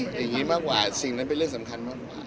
อย่างนี้มากกว่าสิ่งนั้นเป็นเรื่องสำคัญมากกว่า